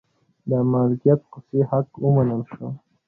د مالکیت خصوصي حق ومنل شو.